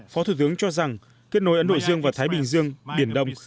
phó thủ tướng cho rằng kết nối ấn độ dương và thái bình dương biển đông